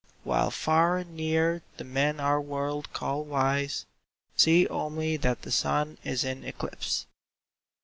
While far and near the men our world call wise See only that the Sun is in eclipse.